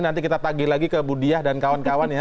nanti kita tagih lagi ke bu diah dan kawan kawan ya